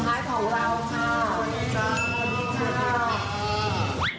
สวัสดีค่ะ